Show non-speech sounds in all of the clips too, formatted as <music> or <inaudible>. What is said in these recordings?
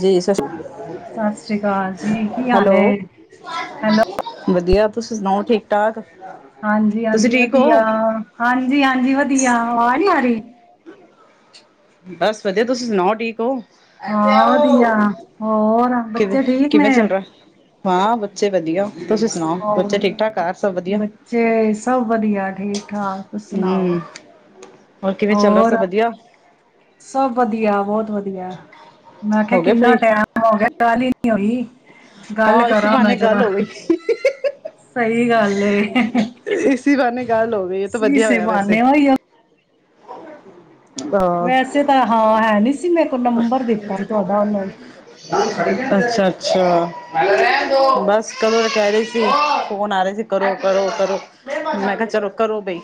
ਜੀ, ਸਤਿ ਸ੍ਰੀ ਅਕਾਲ ਜੀ, ਕੀ ਹਾਲ ਹੈਲੋ ਏ, ਹੈਲੋ। ਵਧੀਆ, ਤੁਸੀਂ ਸੁਣਾਓ ਠੀਕ-ਠਾਕ। ਹਾਂਜੀ-ਹਾਂਜੀ ਵਧੀਆ, ਹਾਂਜੀ-ਹਾਂਜੀ ਵਧੀਆ, ਆਵਾਜ ਨੀ ਆ ਰਹੀ। ਬਸ ਵਧੀਆ, ਤੁਸੀਂ ਸੁਣਾਓ ਠੀਕ ਹੋ। ਹਾਂ ਵਧੀਆ, ਹੋਰ ਕਿਵੇਂ ਬੱਚੇ ਠੀਕ ਨੇ। ਕਿਵੇਂ ਚੱਲ ਰਿਹਾ ਹਾਂ ਬੱਚੇ ਵਧੀਆ ਤੁਸੀਂ ਸੁਣਾਓ ਹੋਰ, ਬੱਚੇ ਠੀਕ ਠਾਕ ਘਰ ਸਭ ਵਧੀਆ ਬੱਚੇ ਸਭ ਵਧੀਆ ਠੀਕ-ਠਾਕ, ਤੁਸੀਂ ਸੁਣਾਓ। ਹਮ ਹੋਰ ਕਿਵੇਂ ਚੱਲ ਰਿਹਾ, ਸਭ ਵਧੀਆ। ਸਭ ਵਧੀਆ ਬਹੁਤ ਵਧੀਆ, ਮੈਂ ਹੋ ਕਿਹਾਿਆ ਗਏ ਕਿੰਨਾ ਫ੍ਰੀ ਟੈਮ ਹੋ ਗਿਆ ਗੱਲ ਹੀ ਨੀ ਹੋਈ। ਗੱਲ ਹਾਂ ਇਸ ਕਰਾਂ ਮੈਂ ਬਹਾਨੇ ਗੱਲ ਜਰਾ ਹੋ ਗਈ ਸਹੀ ਗੱਲ ਏ ਇਸੀ ਬਹਾਨੇ ਗੱਲ ਹੋ ਗਈ ਇਹ ਤਾਂ ਵਧੀਆ ਇਸੇ ਹੋਇਆ ਵੈਸੇ ਬਹਾਨੇ ਉਹੀ ਔ <inaudible> ਵੈਸੇ ਤਾਂ ਹਾਂ ਹੈ ਨਹੀਂ ਸੀ ਮੇਰ <inaudible> ਅੱਛਾ-ਅੱਛਾ, ਬਸ ਕਦੋਂ ਕਹਿ ਰਹੇ ਸੀ ਫੋਨ ਆ ਰਹੇ ਸੀ ਕਰੋ-ਕਰੋ-ਕਰੋ, ਮੈਂ ਕਿਹਾ ਚਲੋ ਕਰੋ ਬਈ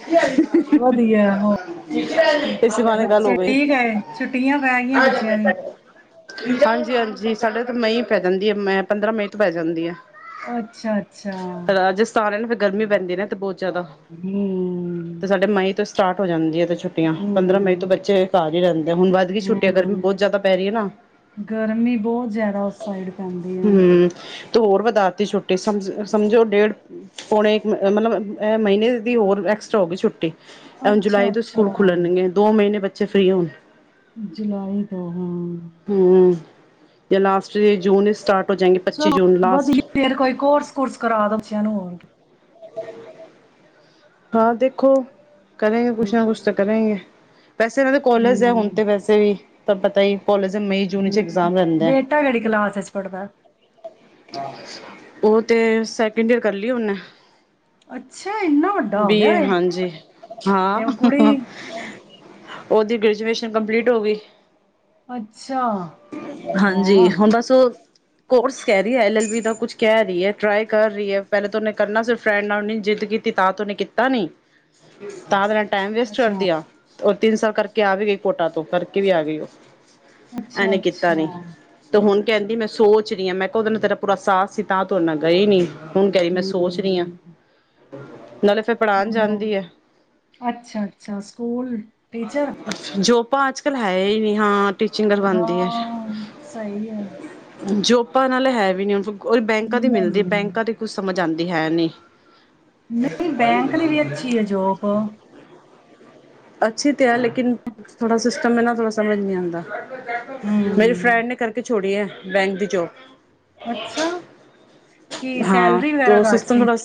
ਵਧੀਆ ਹੋਰ ਕੀ ਇਸੇ ਬਹਾਨੇ ਗੱਲ ਬੱਚੇ ਹੋ ਗਈ। ਠੀਕ ਹੈ ਛੁੱਟੀਆਂ ਪੈ ਗਈਆਂ ਬੱਚਿਆਂ ਦੀ ਹਾਂਜੀ-ਹਾਂਜੀ ਸਾਡੇ ਮਈ ਪੈ ਜਾਂਦੀ ਹੈ ਮੰ ਪੰਦਰਾਂ ਮਈ ਤੋਂ ਪੈ ਜਾਂਦੀ ਹੈ। ਅੱਛਾ ਅੱਛਾ, ਰਾਜਸਥਾਨ ਹੈ ਨਾ ਫਿਰ ਗਰਮੀ ਪੈਂਦੀ ਏ ਨਾ ਇਥੇ ਬਹੁਤ। ਜਾਦਾ, ਹਮ ਤੇ ਸਾਡੇ ਮਈ ਤੋਂ ਸਟਾਰਟ ਹੋ ਜਾਂਦੀ ਹੈ ਤੇ ਛੁੱਟੀਆਂ, ਪੰਦਰਾਂ ਮਈ ਤੋਂ ਹਮ ਬੱਚੇ ਘਰ ਹੀ ਰਹਿੰਦੇ ਆ, ਹੁਣ ਵੱਧ ਗੀ ਛੁੱ ਹੂੰ, ਗਰਮੀ ਬਹੁਤ ਜਿਆਦਾ ਉਸ ਸਾਈਡ ਪੈਂਦੀ ਏ। ਤੂੰ ਹੋਰ ਵਧਾ ਤੀ ਛੁੱਟੀ ਸਮ-ਸਮਝੋ ਡੇਢ ਪੌਣੇ ਇੱਕ ਮਤਲਬ ਮਹੀਨੇ ਦੀ ਹੋਰ ਐਕਸਟਰਾ ਹੋ ਗਈ ਛੁੱਟੀ। ਅੱਛਾ ਜੁਲਾਈ ਤੋਂ ਅੱਛਾ ਸਕੂਲ ਖੁੱਲਣਗੇ, ਦੋ ਮਹੀਨੇ ਬੱਚੇ ਫ੍ਰਰੀ ਹੋਣ ਜੁਲਾਈ ਦਾ, ਹਾਂ। ਹਮ ਜਾਂ ਲਾਸਟ ਚ ਜੂਨ ਚ ਸਟਾਰਟ ਹੋ ਜਾਏਂਗੇ ਪੱਚੀ ਚਲੋ ਜੂਨ ਲਾਸਟ ਵਧੀਆ ਫਿਰ ਕੋਈ ਕੋਰਸ-ਕੁਰਸ ਕਰਾ ਦੋ ਬੱਚਿਆਂ ਨੂੰ‌, ਹੋਰ। <inaudible> ਹਾਂ ਦੇਖੋ। ਕਰੇਗੇ, ਕੁਛ ਨਾ ਕੁਛ ਤਾਂ ਹਮ ਕਰੇਗੇਂ। ਵੈਸੇ ਇਹਨਾਂ ਦੇ ਕਾੱਲਜ ਹੈ ਹੁਣ ਹਮ ਤੇ ਵੈਸੇ ਵੀ। ਤਾਂ ਪਤਾ ਈ ਬੇਟਾ ਕਿਹੜੀ ਕਲਾਸ ਈ ਚ ਪੜ੍ਹਦਾ ਏ? ਉਹ ਤੇ, ਸੈਕਿੰਡ ਈਅਰ ਕਰ ਲਈ ਉਹਨੇ। ਅੱਛਾ ਇੰਨਾ ਵੱਡਾ ਹੋ ਗਿਆ ਬੀਏ, ਵੇ ਹਾਂਜੀ ਤੇ ਉਹ ਹਾਂ। ਕੁੜੀ ਉਹਦੀ ਗ੍ਰੈਜੂਏਸ਼ਨ ਕੰਪਲੀਟ ਹੋ ਗਈ। ਅੱਛਾ ਹਾਂਜੀ ਵਾਹ ਹੁਣ ਬਸ ਉਹ ਕੋਰਸ ਕਹਿ ਰਹੀ ਹੈ। ਐਲ ਐਲ ਬੀ ਦਾ ਕੁੱਛ ਕਹਿ ਰਹੀ ਹੈ। ਟਰਾਈ ਕਰ ਰਹੀ ਹੈ ਪਹਿਲਾ ਤਾਂ ਉਹਨੇ ਕਰਨਾ ਸੀ। ਫਰੈਂਡ ਨਾਲ ਨੀ ਜਿੱਦ ਕੀਤੀ। ਤਾਂ ਤੇ ਉਹਨੇ ਕੀਤਾ ਨੀ? ਤਾਂ ਤੇ ਮੈਂ ਟਾਈਮ ਵੇਸਟ ਕਰ ਅੱਛਾ ਦਿਆ ਉਹ ਤਿੰਨ ਸਾਲ ਕਰਕੇ ਆ ਵੀ ਗਈ ਕੋਟਾ ਤੋਂ। ਕਰਕੇ ਵੀ ਆ ਗਈ ਊ। ਇਹਨੇ ਕੀਤਾ ਅੱਛਾ-ਅੱਛਾ, ਨੀ, ਤੇ ਹੁਣ ਕਹਿੰਦੀ ਮੈਂ ਸੋਚ ਰਹੀ ਹਾਂ। ਮੈਂ ਕਿਹਾ ਉਹਦੇ ਨਾਲ ਤੇਰਾ ਪੂਰਾ ਸਾਥ ਸੀ ਤਾਂ ਤੂੰ ਉਹਦੇ ਨਾਲ ਗਈ ਨੀ। ਹੁਣ ਕਹਿ ਰਹੀ ਮੈਂ ਸੋਚ ਰੀ ਆਂ। ਖਾਲੀ ਅੱਛਾ ਅੱਛਾ! School teacher? ਉਹ ਤਾ ਅੱਜ-ਕੱਲ੍ਹ ਹੈ ਈ ਨੀ। ਹਾਂ ਟੀਚਿੰਗ ਕਰਵਾਉਂਦੀ ਏ। ਹਾਂ, ਸਹੀ ਐ, ਜੋ ਆਪਾਂ ਨਾਲੇ ਹੈ ਵੀ ਨਹੀਂ <unintelligible> ਕੋਈ ਬੈਂਕਾਂ ਤੋ ਮਿਲਦੇ, ਨਹੀਂ, ਬੈਂਕਾਂ ਤੋ ਕੁੱਝ ਸਮਝ ਆਂਦ ਏ ਹੈ ਨੀ। ਨਹੀਂ, ਬੈਂਕ ਦੀ ਵੀ ਅੱਛੀ ਹੈ ਜੋਬ। ਅੱਛੀ ਤੇ ਹੈ ਲੇਕਿਨ ਥੋੜਾ ਸਿਸਟਮ ਹੈ ਨਾ ਥੋੜਾ ਸਮਝ ਨੀ ਆਉਂਦਾ। ਮੇਰੀ ਹੂੰ, ਫਰੈਂਡ ਨੇ ਕਰਕੇ ਛੋ ਛੋੜੀ ਹੈ ਬੈਂਕ ਦੀ ਜੋੋਬ ਅੱਛਾ ਕੀ ਹਾਂ, ਸੈਲਰੀ ਤੇ ਵਗੈਰਾ ਉਹ ਘੱਟ ਸਿਸਟਮ ਸੀ? ਬੜਾ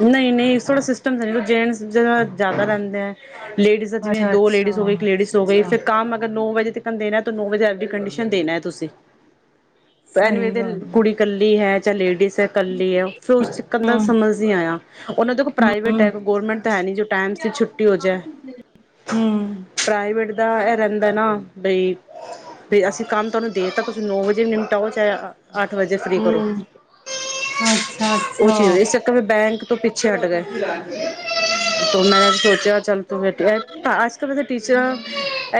ਨਹੀਂ ਨਹੀਂ, ਥੋੜ੍ਹਾ ਸਿਸਟਮ ਹੈਗਾ ਜੈਂਟਸ ਜਰਾ ਜ਼ਿਆਦਾ ਰਹਿੰਦੇ ਐ। ਲੇਡੀਜ਼ ਦਾ ਜਿਵੇਂ ਦੋ ਲੇਡੀਜ਼ ਹੋਵੇ, ਅੱਛਾ-ਅੱਛਾ, ਇੱਕ ਲੇਡੀਜ਼ ਹੋ ਗਈ ਅੱਛਾ-ਅੱਛਾ, ਫਿਰ ਕਾਮ ਅਗਰ ਨੌ ਵਜੇ ਤਿਕਣ ਦੇਣਾ ਤਾਂ ਨੌ ਵਜੇ ਅੱਜ ਦੀ ਕੰਡੀਸ਼ਨ ਦੇਣਾ ਹੈ ਤੁਸੀਂ। ਕਹਿਣ ਨੂੰ, ਸਹੀ ਗੱਲ <unintelligible> ਐ। ਕੁੜੀ ਕੱਲੀ ਹੈ ਚੱਲ ਲੇਡੀਸ ਇਕੱਲੀ ਹੈ ਫਿਰ ਉਸ ਚ <unintelligible> ਹੂੰ, ਸਮਝ ਨੀ ਆਇਆ। ਔਰ ਨਾ ਦੇਖੋ ਪ੍ਰਾਈਵੇਟ ਹੈ। ਹੂੰ, ਗੌਰਮੈਂਟ ਤਾਂ ਹੈ ਨੀ ਜੋ ਟਾਈਮ ਸਿਰ ਛੁੱਟ ਹੂ <unintelligible> ਦਾ ਇਹ ਰਹਿੰਦਾ ਨਾ ਬਈ ਬੀ ਅਸੀਂ ਕੰਮ ਤੁਹਾਨੂੰ ਦੇ ਤਾ ਤੁਸੀਂ ਨੋਂ ਵਜੈ ਨਿਮਟਾਓ ਤੇ ਆ ਅੱਠ ਵਜੇ ਫ੍ਰਰੀ ਕਰੋ। ਹੂੰ, ਉਹ ਚੀਜ਼, ਅੱਛਾ-ਅੱਛਾ। ਇਸ ਕਰਕੇ ਬੈਂਕ ਤੋਂ ਪਿੱਛੇ ਹਟ ਗਏ। ਤੋ ਮੈਂ ਸੋਚਿਆ ਚੱਲ ਤੂੰ ਮੇ ਤਾਂ ਅ-ਦੇ ਟੀਚਰਾਂ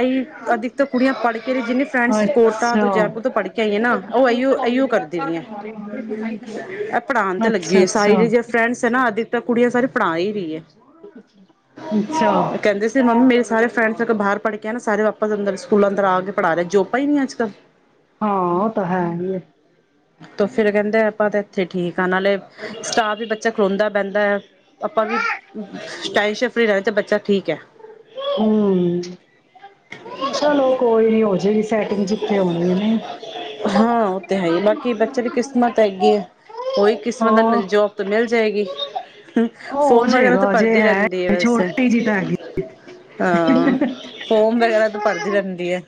ਏ ਈ ਅਧਿਕ ਤ ਕੁੜੀਆਂ ਪੜ੍ਹ ਕੇ, ਜਿੰਨੇ ਫਰੈਂਡਸ ਕੋਟਾ ਅੱਛਾ। ਤੋਂ, ਜੈਪੁਰ ਤੋਂ ਪੜ੍ਹਕੇ ਆਈਆਂ ਨਾ, ਉਹ ਐਈਓ ਐਈਓ ਜਿਹੜਾ ਕਰਦੀ ਰਹੀਆਂ। ਏਹ ਪੜ੍ਹਾਣ ਤੇ ਲੱਗੀ ਅੱਛਾ ਹੋਈ, ਸਰੀ ਅੱਛਾ ਰੀ ਜੇ ਫਰੈਂਡਸ ਐ ਨਾ ਤਾਂ ਕੁੜੀਆਂ ਸਾਰੇ ਪੜਾ ਈ ਰੀ ਐ। ਅੱਛਾ ਕਹਿੰਦੇ ਸੀ ਮੰਮੀ, ਮੇਰੇ ਸਾਰੇ ਫਰੈਂਡਸ ਅਕ ਬਾਰ ਪੜ੍ਹਕੇ ਨਾ ਸਾਰੇ ਵਾਪਸ ਅੰਦਰ ਸਕੂਲ ਅੰਦਰ ਆ ਕੇ ਪੜ੍ਹਾ ਰਏ, ਜੋਬਾਂ ਈ ਨੀ ਅੱਜ ਕਲ। ਹਾਂ, ਉਹ ਤਾਂ ਹੈ ਈ ਐ। ਤੇ ਫੇਰ ਕਹਿੰਦੇ ਆਪਾਂ ਤੇ ਇੱਥੇ ਠੀਕ ਆ, ਨਾਲੇ ਸਟਾਫ ਈ ਬੱਚਾ ਖਲੋਂਦਾ ਬੈਂਦਾ ਐ। ਆਪਾਂ ਵੀ ਅ-ਬ ਐਸ਼ਨ ਫਰੀ ਰਏ ਤਾਂ ਬੱਚਾ ਠੀਕ ਐ। ਹੂੰ। ਚਲੋ ਕੋਈ ਨੀ ਹੋ ਜਾਏਗੀ ਸੈਟਿੰਗ ਜਿੱਥੇ ਹੋਣੀ ਹੈ ਨਹੀਂ ਹਾਂ ਉਹ ਤੇ ਹੈ ਈ, ਬਾਕੀ ਬੱਚੇ ਦੀ ਕਿਸਮਤ ਹੈਗੀ ਐ। ਹੋਈ ਕਿਸਮਤ ਨਾ ਹੋਰ ਮਿਲ ਜੂ ਜੋਬ ਤਾਂ ਮਿਲ ਜਏਗੀ। ਹਮ ਉਹ ਹੋ ਫੋਮ ਵਗੈਰਾ ਤਾਂ ਜਾਏਗਾ ਭਰ ਹਜੇ ਦੀ ਰਹਿੰਦੀ ਹੈ ਵੈਸੇ। ਛੋਟੀ ਜਿਹੀ ਤਾਂ ਹੈਗੀ ਹਾਂ ਫੋਮ ਵਗੈਰਾ ਤਾਂ ਭਰਦੀ ਰਹਿੰਦੀ ਹੈ।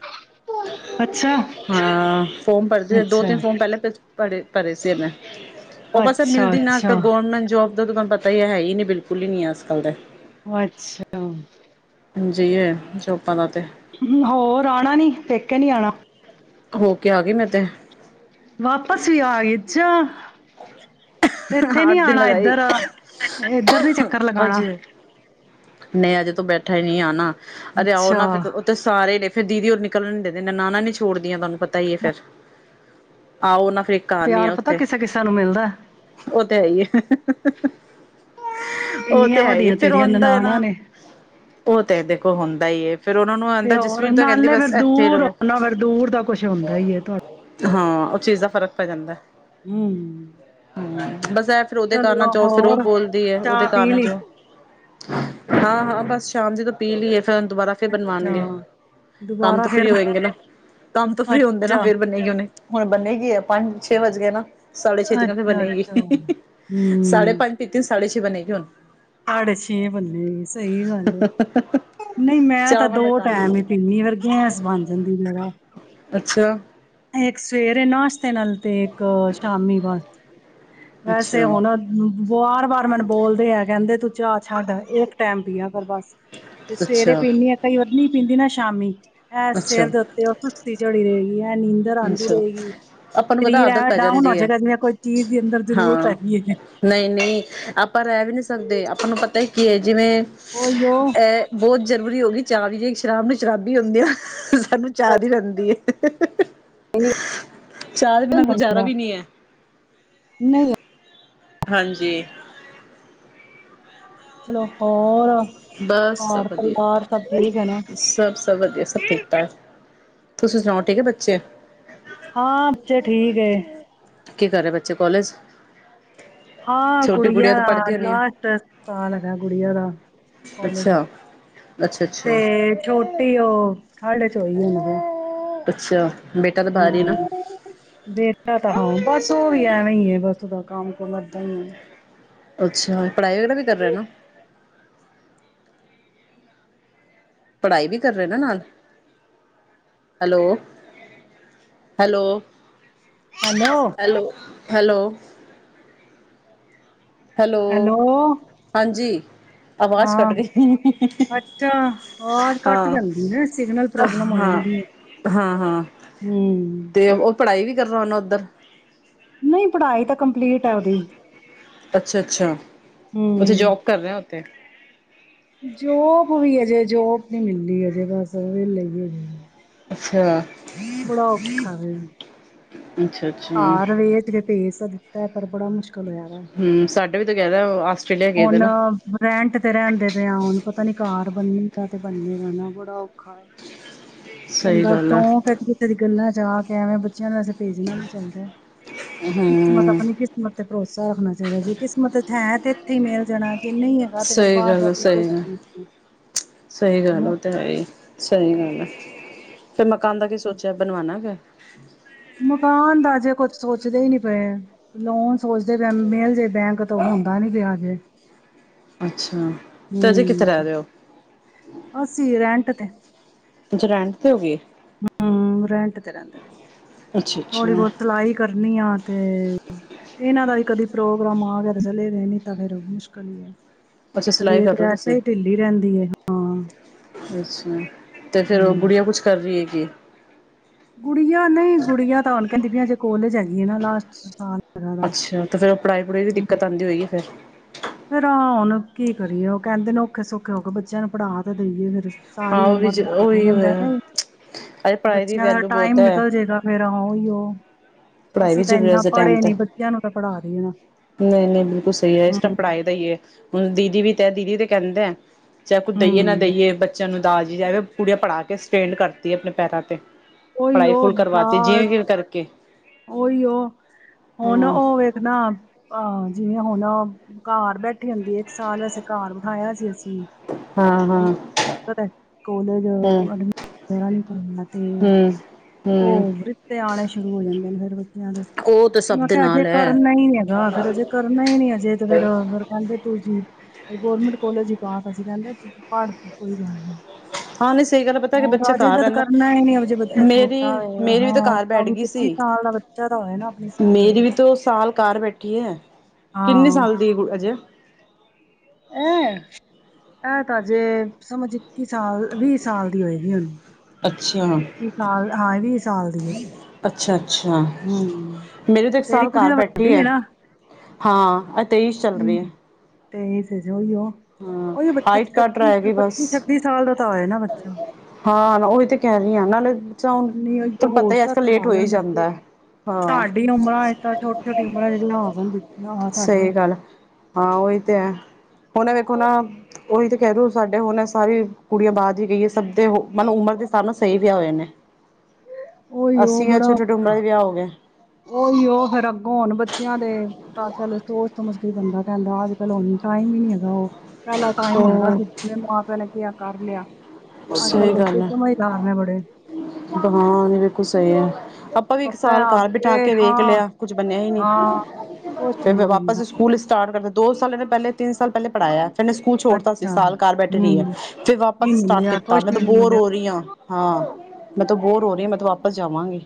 ਅੱਛਾ ਹਾਂ ਫੋਮ ਭਰਦੀ ਰਹ ਦੋ ਅੱਛਾ ਤਿੰਨ ਫੋਮ ਪਹਿਲਾਂ ਭ ਪੜੇ ਕਰੇ ਸੇ ਨਾ ਉਹ ਬਸ ਅੱਛਾ ਮਿਲਦੀ ਨਾ ਅੱਛਾ ਗਵਰਨਮੈਂਟ ਜੋਬ ਓਦਾ ਤਾਂ ਤਾਨੂੰ ਪਤਾ ਈ ਆ, ਹੈ ਈ ਨੀ ਬਿਲਕੁਲ ਈ ਨੀ ਆ ਸਕ ਕਲਦੇ ਅੱਛਾ। ਹਾਂਜੀ ਏ ਜੋੋ ਹੋਰ ਆਉਣਾ ਨੀ, ਪੇਕੇ ਕੇ ਨੀ ਆਣਾ? ਹੋ ਕੇ ਆ ਗਈ ਮੈਂ ਤੇ ਵਾਪਸ ਵੀ ਆ ਗਏ, ਛਾ ਇੱਥੇ ਨੀ ਅੱਠ ਦਿਨ ਆਣਾ ਲਗਾਏ ਇੱਧਰ ਇਧਰ ਨੀ ਚੱਕਰ ਲਗਾਉਣਾ ਅੱਜ ਨਹੀਂ ਅਜੇ ਤੋ ਬੈਠਾ ਈ ਨੀ ਆ ਨਾ। ਅਰੇ ਆਓ ਅੱਛਾ ਨਾ ਫਿਰ ਤ ਉਥੇ ਸਾਰੇ ਫਿਰ ਦੀਦੀ ਓਰ ਨਿਕਲਨ ਡੇ ਦੇ, ਨਨਾਨਾ ਨੀ ਛੋੜਦੀਆਂ, ਤੁਹਾਨੂੰ ਪਤਾ ਹੀ ਹੈ ਫੇਰ। ਆਹੋ ਨਾ ਪ੍ਰੇ ਕਾਅ ਨੇ ਓਤੇ ਸਾਨੂੰ ਮਿਲਦਾ ਐ। <unintelligible> ਉਹ ਤੇ ਇੰਨੀਆਂ ਹੈ ਈ। ਵਧੀਆ ਫੇਰ ਓਂ ਤੇਰੀਆਂ ਏ ਨਾ, ਨਨਾਣਾਂ ਨੇ ਉਹ ਤਾਂ ਹੈ ਦੇ ਹੁੰਦਾ ਈ ਏ ਤੇ ਹੋਰ ਨਾਲੇ ਫਿਰ ਦੂਰ ਰਹੋ ਆਉਨਾ ਫੇਰ ਦੂਰ ਦਾ ਕੁਛ ਹੁੰਦਾ ਹੀ ਏ ਤੁਹ ਹੂੰ ਹਾਂ ਆਡੀਓ ਵਿੱਚ ਉਹ ਕੋਈ ਵੀ ਚੀਜ਼ ਦਾ ਸ਼ਬਦ ਫ਼ਰਕ ਪੈ ਨਹੀਂ ਬੋਲਿਆ ਗਿਆ। <unintelligible> ਹੂੰ ਬਸ ਇਹ ਫੇਰ ਉਹਦੇ ਕੰਮਾਂ ਚੋਂ ਫਿਰ ਉਹ ਬੋਲਦੀ ਉਹਦੇ ਚਾਹ ਪੀ ਕੰਮ ਲਈ ਚੋਂ ਹਾਂ ਹਾਂ ਬਸ ਸ਼ਾਮ ਜ ਤਾਂ ਪੀ ਲਈ ਏ ਕਰਨ ਤੋਂ ਬਾਦ ਫੇਰ ਅੱਛਾ ਬਣਵਾਉਣਗੇ। ਕੰਮ ਦੁਬਾਰਾ ਤੋਂ ਫੇਰ ਫ੍ਰਰੀ ਬਣ- ਹੋਏਗੇ ਨਾ, ਕੰਮ ਤੋਂ ਫ੍ਰਰੀ ਹੁੰਦੇ ਨਾ ਅੱਛਾ ਫੇਰ ਬਣੇ ਗਈ ਹੁਨੇ ਹਾਂ ਬੰਨੇਗੀ ਹੈ ਪੰਜ ਛੇ ਵਜ ਗੇ ਨਾ। ਸਾਢੇ ਛੇ ਤੇ ਫਿਰ ਅੱਛਾ ਬਣੇਗੀ ਅੱਛਾ ਸਾਢੇ ਹੂੰ ਪੰਜ ਪੀਤੀ ਸੀ। ਸਾਡੇ ਛੇ ਬਣੇ ਗਏ ਹੁਣ। ਸਾਡੇ ਛੇ ਬਨੇ ਗਈ ਸਹੀ ਗੱਲ ਏ, ਨਹੀਂ ਮੈਂ ਤਾਂ ਚਾਹਵਾਂ ਦਾ ਦੋ ਟੈਮ ਕੰਮ ਹੀ ਪੀਨੀ ਫੇਰ ਗੈਸ ਬਣ ਜਾਂਦੀ। ਅੱਛਾ ਇੱਕ ਸਵੇਰੇ ਨਾਸ਼ਤੇ ਨਾਲ ਤੇ ਇੱਕ ਸ਼ਾਮੀ ਬਾਅਦ। <inaudible> ਵੈਸੇ ਅੱਛਾ ਹੁਣ ਵਾਰ ਵਾਰ ਮੈਨੂੰ ਬੋਲਦੇ ਆ ਕਹਿੰਦੇ ਤੂੰ ਚਾਹ ਛੱਡ ਇੱਕ ਟਾਈਮ ਪੀ ਆ ਪਰ ਬਸ ਤੇ ਸਵੇਰੇ ਅੱਛਾ ਪੀਂਦੀ ਆ ਕਈ ਵੱਧ ਨ ਪੀਂਦੀ ਨਾ ਸ਼ਾਮੀ। ਇਹ ਸਿਰ ਅੱਛਾ ਦੇ ਉੱਤੇ ਉਹ ਸੁਸਤੀ ਚੜੀ ਰਹੇ ਅੱਛਾ ਆਪਾਂ ਨੂੰ ਵੱਧ ਸਰੀਰ ਆਦਤ ਐਵੇਂ ਪੈ ਡਾਊਨ ਹੋ ਜਾਂਦੀ ਹੈ। ਜਾਏਗਾ ਜਿਵੇਂ ਕੋਈ ਚੀਜ਼ ਦੀ ਅੰਦਰ ਜ਼ਰੂਰਤ ਹਾਂ, ਹੈਗੀ ਹੈ ਨਹੀਂ ਨਹੀਂ ਆਪਾਂ ਰਹਿ ਵੀ ਨਹੀਂ ਸਕਦੇ ਆਪਾਂ ਨੂੰ ਪਤਾ ਹੀ <unintelligible> ਜਿਵੇਂ ਉਹੀਓ ਇਹ ਬਹੁਤ ਜ਼ਰੂਰੀ ਹੋ ਗਈ ਚਾਹ ਵੀ ਜੇ ਸ਼ਰਾਬ ਨੂੰ ਸ਼ਰਾਬੀ ਹੁੰਦੀ ਆ, ਸਾਨੂੰ ਚਾਅ ਦੀ ਰਹਿੰਦੀ ਹੈ। ਆਡੀਓ ਚਾਹ ਦੇ ਦੀ ਬਿਨਾਂ ਕੁਆਲਿਟੀ ਕਾਫੀ ਗੁਜ਼ਾਰਾ ਖਰਾਬ ਹੈ ਕੁਝ ਵੀ ਨਹੀਂ ਸਮਝ ਨਹੀਂ ਆ ਰਹੀ ਹਾਂਜੀ। ਚਲੋ ਹੋਰ ਬਸ ਸਭ ਘਰ ਪਰਿਵਾਰ ਸਭ ਠੀਕ ਹੈ ਨਾ ਵਧੀਆ ਸਭ-ਸਭ ਵਧੀਆ ਸਭ ਠੀਕ ਠਾਕ। ਤੁਸੀਂ ਸੁਣਾਓ ਠੀਕ ਹੈ ਬੱਚੇ? ਹਾਂ ਬੱਚੇ ਠੀਕ ਏ ਕੀ ਕਰਹੇ ਬੱਚੇ ਕਾਲਜ ਹਾਂ ਗੁੜੀਆ ਹੈ। ਲਾਸਟ ਸਾਲ ਹੈ ਗੁੜਆ ਦਾ ਕੋਾਲਜ ਅੱਛਾ ਅੱਛਾ ਤੇ ਅੱਛਾ ਛੋਟੀ ਉਹ ਸਾਡੇ ਚ ਈ ਹਣ ਦੇ ਅੱਛਾ ਬੇਟਾ ਤਾਂ ਬਾਹਰ ਹੀ ਨਾ <unintelligible> ਬੇਠਾ ਤਾਂ ਬਸ ਉਹ ਵੀ ਐਵੇਂ ਹੀ ਹੈ ਬਸਦਾ ਕਮ ਕੋ ਕਰਦਾ ਹ ਅੱਛਾ ਪੜ੍ਹਾਈ ਵਗਰਾ ਵੀ ਕਰ ਰਿਹਾ ਨਾ ਪੜ੍ਹਾਈ ਵੀ ਕਰ ਰਹੇ ਨਾ ਨਾਲ hello hello hello hello hello hello ਹਾਂਜੀ ਆਵਾਜ਼ ਹਾਂ ਕੱਟ ਗਈ ਅੱਛਾ ਆਵਾਜ਼ ਘੱਟ ਹਾਂ ਜਾਂਦੀ ਨਾ ਸਿਗਨਲ ਪ੍ਰੋਬਲਮ ਹੋ ਹਾਂ ਜਾਂਦੀ ਹੈ ਹਾਂ ਹਾਂ ਹਮ ਤੇ ਉਹ ਪੜ੍ਹਾਈ ਵੀ ਕਰਨਾ ਉਹਨਾ ਉੱਧਰ ਨਹੀਂ ਪੜ੍ਹਾਈ ਤਾਂ ਕੰਪਲੀਟ ਹੈ ਉਹਦੀ ਅੱਛਾ ਅੱਛਾ ਉੱਥੇ ਹੂੰ ਜੋਬ ਕਰ ਰਹੇ ਤੇ ਜੋਬ ਵੀ ਜੋਬ ਨੀ ਮਿਲਦੀ ਹੈਜੇ ਬਸ ਉਹ ਲਈਏ ਜਾ ਅੱਛਾ ਬੜਾ ਔਖਾ ਵ ਅੱਛਾ-ਅੱਛਾ ਹ ਰ ਵ ਤੇ ਪੇ ਦਿੱਤਾ ਹੈ ਪਰ ਬੜਾ ਮੁਸ਼ਕਿਲ ਹੋਇਆ ਵਾ ਹਮ ਸਾਡੇ ਵੀ <unintelligible> ਹੁਣ ਨਾ। ਰੈਂਟ ਤੇ ਰਹਿੰਦੇ ਪਏ ਆ ਹੁਣ ਪਤਾ ਨੀ ਕਾਰ ਬਣਨੀ ਤੇ ਬੰਨੇਗਾ ਨਾ ਬੜਾ ਔਖਾ ਸਹੀ ਬੰਦਾ ਗੱਲ ਆ ਚੌਂਕ ਕਿਤੇੇ ਦੀ ਗੱਲਾਂ ਜਾ ਕੇਵੇਂ ਬੱਚਿਆਂ ਨੂੰ ਭੇਜਣਾ ਨੀ ਚਾਹੀਦਾ ਕਿਸਮਤ ਹੂੰ ਆਪਣੀ ਕਿਸਮਤ ਤੇ ਭਰੋਸਾ ਰੱਖਣਾ ਚਾਹੀਦਾ ਜੇ ਕਿਸਮਤ ਹਾਂ ਤੇ ਮੇਲ ਜਾਣਾ ਜੇ ਨਹੀਂ ਹੈਗਾ ਤੇ ਫਿਰ ਸਹੀ ਬਾਹਰ ਗੱਲ ਜਾ ਆ ਕੇ ਕੁਝ ਸਹੀ ਗ ਨਹੀਂ ਸਹੀ ਗੱਲ ਹੈਨਾ ਉਹ ਤੇ ਆ ਸਹੀ ਗੱਲ ਆ ਫੇਿਰ ਮਕਾਨ ਦਾ ਕੀ ਸੋਚਿਆ ਬਣਵਾਉਣਾ ਫ <inaudible> ਮਕਾਨ ਦਾਜੇ ਕੁਛ ਸੋਚਦੇ ਨੀ ਪਏ ਲੋਨ ਸੋਚਦੇ ਪਏ ਮਿਲ ਜੇ ਬੈਂਕ ਤੋਂ ਹੁੰਦਾ ਨੀ ਪਿਆਜੇ ਅੱਛਾ ਤੇ ਅਜੇ ਕਿੱਥੇ ਰਹਿ ਰੇਹਾ ਓ ਅਸੀਂ ਰੈਂਟ ਅੱਜ ਰੈਂਟ ਤੇ ਹੋ ਗਏ ਹੁ ਰੈਂਟ ਤੇ ਰਹਿੰਦੇ ਨੇ ਅੱਛਾ-ਅੱਛਾ ਥੋੜ੍ਹੀ ਬਹੁਤ ਅੱਛਾ ਸਿਲਾਈ ਕਰਨੀ ਆ ਤੇ ਇਹਨਾਂ ਦਾ ਵੀ ਕਦੇ ਪ੍ਰੋਗਰਾਮਾਂ ਆ ਗੇ ਤਾ ਚਲੇ ਗਏ ਨਹੀਂ ਤਾਂ ਫਿਰ ਮੁਸ਼ਕਿਲ ਹੀ ਏ ਅੱਛਾ ਸਿਲਾਈ ਕਰ ਤਬੀਅਤ ਰਹੇ ਹੋ ਵੈਸੇ ਤੁਸੀਂ ਹੀ ਢਿੱਲੀ ਰਹਿੰਦੀ ਏ ਹਾਂ ਅੱਛਾ ਤੇ ਫੇਰ ਉਹ ਗੁਡੀਆਂ ਕੁੱਛ ਕਰ ਰਹੀ ਹੈ ਜੀ ਕੁੜੀਆਂ ਨਹੀਂ ਗੁਡੀਆ ਤਾਂ ਹੁਣ ਕਹਿੰਦੀ ਪਈ ਆ ਹਜੇ <unintelligible> ਅੱਛਾ ਤੇ ਫੇਰ ਉਹ ਪੜ੍ਹਾਈ ਪੜ੍ਹੂਈ ਦੀ ਦਿੱਕਤ ਆਉਂਦੀ ਹੋਈ ਗੀ ਫੇਰ ਫਿਰ ਹ ਹੁਣ ਕੀ ਕਰੀਏ ਉਹ ਕਹਿੰਦੇ ਨੇ ਔਖੇ ਸੌਖੇ ਹੋ ਕੇ ਬੱਚਿਆਂ ਨੂੰ ਪੜ੍ਹਾ ਤਾਂ ਦੇਈਏ ਫਿਰ ਹਾਂ ਸਾਰੀ ਉਹ ਉਮਰ ਬੰਦ ਰੈਂਦਾ ਏ ਨਾ ਏ ਇਹ ਪੜ੍ਹਾਈ ਦੀ ਵੈਲੂ ਬਹੁਤ ਹ ਤਾ ਉਹੀ ਓ ਪੜਾਈ ਵਿੱਚ ਵੈਸੇ ਟੈਮ ਤੇ ਤਾਂ ਪੜ੍ਹਾ ਰਹੀ ਹੈ ਨਾ ਨਹੀਂ ਨਹੀਂ ਬਿਲਕੁਲ ਸਹੀ ਹੈ ਇਸ ਟੈਮ ਹੂੰ ਪੜਾਈ ਦਾ ਹੀ ਐ ਦੀਦੀ ਵੀ ਤੇ ਦੀਦੀ ਤੇ ਕਹਿੰਦੇ ਆ ਚਾਹੇ ਕੋਈ ਦਏ ਨਾ ਹੂੰ ਦਈਏ ਬੱਚਿਆਂ ਨੂੰ ਦਾਰ ਜੀ ਕਹਰੇ ਕੁੜੀਆਂ ਪੜ੍ਹਾ ਕੇ ਸਟੇਂਡ ਕਰਤੀ ਆਪਣੇ ਪੈਰਾਂ ਤੇ ਉਹੀ ਪੜ੍ਹਾਈ ਉਹ ਫੁੱਲ ਕਰਵਾਤੀ ਬਾਹਰ ਜਿਵੇਂ ਤੀਵੇ ਕਰਕੇ ਉਹੀ ਉ ਹੁਣ ਹਾਂ ਉਹ ਵੇਖਨਾ ਆਹ ਜਿਵੇਂ ਹੁਣ ਘਰ ਬੈਠੀ ਹੁੰਦੀ ਏ ਇਕ ਸਾਲ ਆਸਤੇ ਘਰ ਬਿਠਾਇਆ ਸੀ ਅਸੀਂ ਹਾਂ ਹਾਂ ਹੂ ਕਾਲਜ ਹਮ ਆਹ <unintelligible> ਤੇ ਤ ਹਮ ਹਮ ਉਹ ਰਿਸ਼ਤੇ ਆਣੇ ਸ਼ੁਰੂ ਹੋ ਜਾਣ ਬੱਚਿਆਂ ਦੇ ਉਹ ਤਾਂ ਸਭ ਮੈਂ ਦੇ ਕਿਹਾ ਅਜੇ ਨਾਲ ਹੈ ਕਰਨ ਨਹੀਂ ਹੈਗਾ ਫਿਰ ਅਜੇ ਕਰਨਾ ਹੀ ਨਹੀਂ ਅਜੇ ਤੇ ਫਿਰ ਕਹਿੰਦੇ ਤੂੰ ਸੀ ਗੋਰਮੈਂਟ ਕੋਲਜ ਚ ਪਾ ਤਾ ਸੀਂ ਕਹਿੰਦੇ ਪੜ ਕੋਈ ਗੱਲ ਨਹੀਂ ਹਾਂ ਸਹੀ ਗੱਲ ਐ ਪਤਾ ਕਿ ਔਰ ਬੱਚੇ ਅਜੇ ਘਰ ਜਦ ਰਹਿੰਦਾ ਕਰਨਾ ਹੀ ਨਹੀਂ ਅਜੇ ਬੱਚਾ ਮੇਰੀ ਛੋਟਾ ਹੋਏ ਮੇਰੀ ਵੀ ਤੇ ਹਾਂ ਘਰ ਪੈ ਤਾਂ ਵੀ ਗਈ ਸੀ ਸਾਲ ਦਾ ਬੱਚਾ ਤਾਂ ਹੋਏ ਨਾ ਆਪਣੀ ਸਮਝ ਹੋਏ ਮੇਰੀ ਵੀ ਤਾਂ ਦੋ ਬੱਚੇ ਸਾਲ ਕਾਰ ਬੈਠੀ ਹੈ ਕਿੰਨੇ ਹਾਂ ਸਾਲ ਦੀ ਹੋਈ ਆ ਅਜੇ ਐ ਇਹ ਤਾਂ ਜੇ ਸਮਝ ਇਕੀ ਸਾਲ ਵੀ ਸਾਲ ਦੀ ਹੋਏਗੀ ਉਹਨੂੰ ਅੱਛਾ ਸਾਲ ਦੀ ਹੈ ਅੱਛਾ ਅੱਛਾ ਹਮ ਮੇਰੀ ਤੇ ਇੱਕ ਤੇਰੀ ਸਾਲ ਕੁੜੀ ਘਰ ਤਾਂ ਵੱਡੀ ਬੈਠੀ ਐ ਹੈ ਨਾ ਹਾਂ ਇਹ ਤੇਈਸ ਚ ਚੱਲ ਰਹੀ ਐ ਤੇਈ ਸ ਉਹੀ ਉਹ ਉਹੀ ਪੱਚੀ ਬਸ ਪੱਚੀ ਛੱਬੀ ਸਾਲ ਦਾ ਤ ਹੋਏ ਨਾ ਬੱਚਾ। ਕਹਿਣੀ ਹਾਂ ਨਾਲੇ। ਬੱਚਾ ਹੁਣ ਅਪਣੀ ਅਈਓ ਤੁਹਾਨੂੰ ਪਤਾ ਹੋਸ਼ ਹੀ ਅੱਜ ਤਾਂ ਕੱਲ੍ਹ ਲੇਟ ਸੰਭਾਲ ਹੋ ਲੈਣ ਹੀ ਬੱਚੇ। ਜਾਂਦਾ ਹੈ ਹਾਂ ਸਾਡੀ ਉਮਰਾਂ ਚ ਤ ਛੋਟੀ ਛੋਟੀ ਉਮਰਾਂ ਚ ਵਿਆਹ ਹੋ ਜਂਦੇ ਸੀ ਨਾ ਸਾਡੇ। ਸਹੀ ਹੁਨ ਏ ਵੇਖੋ ਨਾ ਓਹੀ ਤੇ ਕਹਿ ਰਹੀ ਉ ਸਾਡੇ ਹੁਣ ਸਾਰੀ ਕੁੜੀਆਂ ਬਾਅਦ ਜੀ ਗਈ ਏ ਸਭ ਤੇ ਉਹ ਮਤਬ ਉਮਰ ਦੇ ਹਸਾਬ ਨਾਲ ਸਹੀ ਵਿਆ ਹੋ ਜਾਨੇ। ਉਹੀ ਅੱਸੀ ਆ ਛੋਟੇ ਛੋਟੇ ਊਮਰਾਂ ਚ ਵਿਆਹ ਹੋ ਗਏ। ਓਹੀਓ, ਫਿਰ ਅੱਗੋਂ ਹੋਣ ਬੱਚਿਆਂ ਦੇ ਤਾਂ ਚਲ ਸੋਚਸਮਝ ਕੇ ਈ ਬੰਦਾ ਕਹਿੰਦੈ। ਅੱਜ ਕੱਲ ਹੁਣ ਟਾਈਮ ਹੀ ਨ੍ਹੀਂ ਹੈਗਾ ਓਹ। ਪੈਲਾ ਟਾਈਮ ਹੁੰਦਾ ਸੀ ਉਹ ਜਿਵੇਂ ਮਾਂ ਪਿਓ ਨੇ ਕਿਆ ਕਰ ਲਿਆ। ਸਹੀ ਗੱਲ ਹੈ, ਹਾਂ ਨੀ ਬਿਲਕੁਲ ਸਹੀ ਹੈ। ਅਪ ਆਪਾ ਵੀ ਇੱਕ ਸਾਲ ਘਰ ਬਿਠਾ ਕੇ ਵੇਖ ਲਿਆ ਕੁਝ ਬਨਿਆ ਹੀ ਨਹੀਂ ਫਿਰ ਵਾਪਸ ਸਕੂਲ ਸਟਾਰਟ। ਆਰ ਕਰਦੈ ਦੋ ਸਾਲ ਐਹਦੇ ਪੈਲੇ ਤਿੰਨ ਸਾਲ ਪੈਲੇ ਪੜ੍ਹਾਯੈ। ਫਨੇ ਸਕੂਲ ਛੋੜਤਾ ਸੀ ਸਾਲ ਘਰ ਬੈਠ ਰੀ ਏ। ਫੇਰ ਵਾਪਸ ਸਟਾਰਟ ਕੀਤ ਮੈਂ ਤੋਂ ਬੋਰ ਹੋ ਰਹੀ ਆ। ਹਾਂ, ਮੈ ਤਾ ਬੋਰ ਹੋ ਰਹੀ ਆ। ਮੈਂ ਤੋ ਵਾ ਵਾਪਸ ਜਾਵਾਂਗੇ।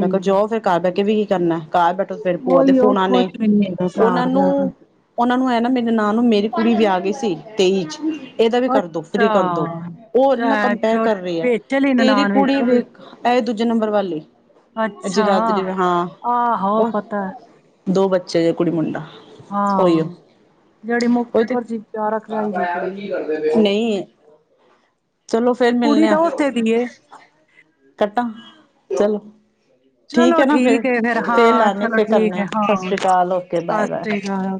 ਮੈਂ ਕੇਆ ਜਾਓ ਫਿਰ ਘਰ ਬੈ ਕੇ ਵੀ ਕੀ ਕਰਨਾ। ਘਰ ਬੈਠੋ ਫਿਰ ਭੂਆ ਦੇ ਫੋਨ ਆਨੇ, ਉਹਨਾਂ ਨੂੰ ਏਹ ਨਾਂ ਨੂੰ ਮੇਰੀ ਨਨਾਣ ਮੇਰੀ ਕੁੜੀ ਵਿਆਹ ਗੀ ਸੀ ਤੇਈ ਚ। ਏਦਾ ਵੀ ਕਰਦੋ, ਫਰੀ ਕਰਦੋ। ਔਦੇ ਨਾਲ ਕੰਪੇਅਰ ਕਰ ਰਹੀ ਹੈ ਤੇਰੀ ਕੁੜੀ ਵੀ--ਇਹ ਦੂਜੇ ਨੰਬਰ ਵਾਲੀ ਐ ਅੱਛਾ, ਜਗਾਦਰੀ। ਹਾਂ, ਆਹੋ ਓਹ ਪਤਾ ਦੋ ਬੱਚੇ ਜੇ ਕੁੜੀ ਮੁੰਡਾ। ਉਹੀਓ ਹਾਂਅ, ਜਿਹੜੀ ਉਹੀ ਤੇ ਮੁੱਕਰ ਜੀ ਪਿਆਰਕ ਰੈਣਦੀ ਕੁੜੀ। <inaudible> ਚਲੋ ਫੇਰ ਤੇ ਕੁੜੀ ਮਿਲਣੇ ਆ। ਤਾਂ ਉਸੇ ਦੀ ਏ, ਕੱਟਾਂ, ਚਲੋ। ਚਲੋ ਹੈ ਨਾ ਫਿਰ ਠੀਕ ਏ ਫੇਰ, ਹਾਂ, ਲਾਣੇ ਚਲੋ ਫਿਰ ਠੀਕ ਏ। ਕਰਨੇ ਸਤਿ ਹਾਂ, ਸ੍ਰੀ ਅਕਾਲ ਓਕੇ ਸਸ ਬਾਏ ਬਾਏ ਸ਼੍ਰੀਕਾਲ।